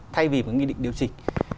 thay vì với nghị định điều chỉnh